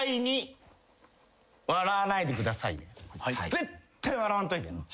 絶対笑わんといてな。